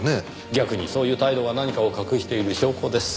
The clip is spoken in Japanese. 逆にそういう態度が何かを隠している証拠です。